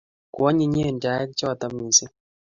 Ko anyinyen chaik chotok missing'